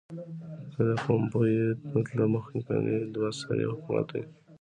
که د پومپیو مطلب مخکنی دوه سری حکومت وي.